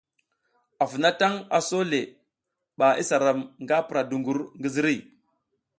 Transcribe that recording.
Afounatang, aso le ɓa isa ram nga pura dungur ngi ziriy.